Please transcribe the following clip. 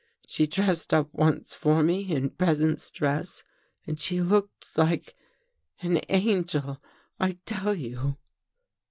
" She dressed up once for me in peasant's dress and she looked like — an angel, I tell you."